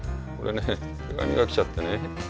これね手紙が来ちゃってね。